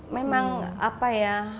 memang apa ya